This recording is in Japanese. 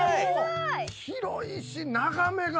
広いし眺めが。